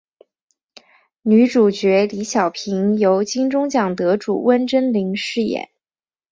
女主角李晓萍由金钟奖得主温贞菱饰演。